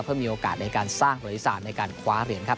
เพื่อมีโอกาสในการสร้างบริษัทในการคว้าเหรียญครับ